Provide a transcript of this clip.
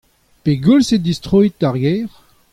Pegoulz e tistroit d'ar gêr ?